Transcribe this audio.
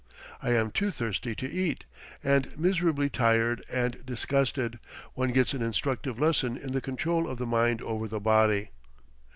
I am too thirsty to eat, and, miserably tired and disgusted, one gets an instructive lesson in the control of the mind over the body.